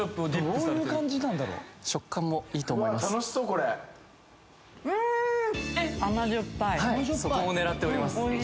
これはいそこを狙っております